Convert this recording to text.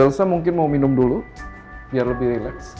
bu ilsa mungkin mau minum dulu biar lebih rileks